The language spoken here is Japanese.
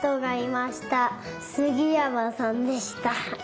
杉山さんでした。